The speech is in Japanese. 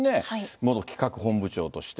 元企画本部長として。